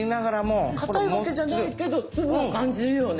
かたいわけじゃないけど粒を感じるよね